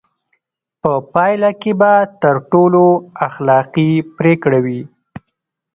په پایله کې به تر ټولو اخلاقي پرېکړه وي.